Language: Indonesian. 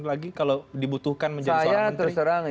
apalagi kalau dibutuhkan menjadi seorang menteri